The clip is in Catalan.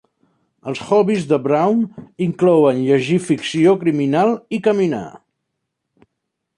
Els hobbies de Brown inclouen llegir ficció criminal i caminar.